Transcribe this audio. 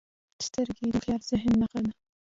سترګې د هوښیار ذهن نښه ده